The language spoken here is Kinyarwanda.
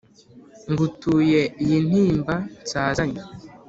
Ngutuye iyi ntimba nsazanye